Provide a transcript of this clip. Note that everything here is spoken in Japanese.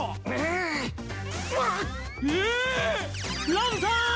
ラムさん！